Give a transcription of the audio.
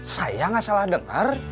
saya gak salah dengar